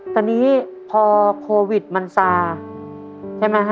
ตอนนี้พอโควิดมันซาใช่ไหมฮะ